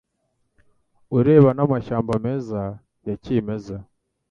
ureba n'amashyamba meza yakimezeho